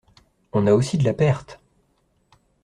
On a aussi de la perte!